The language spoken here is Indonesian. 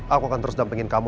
aku akan terus dampingin kamu